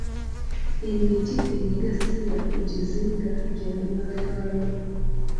Emiti emigasiya ku kizinga gya byafaayo.